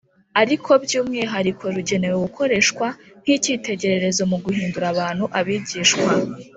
ariko by'umwihariko rugenewe gukoreshwa nk'icyitegererezo mu guhindura abantu abigishwa.